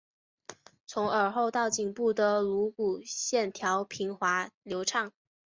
从耳后到颈部的颅骨线条平滑流畅。